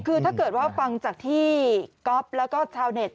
คือถ้าเกิดว่าฟังจากที่ก๊อฟแล้วก็ชาวเน็ต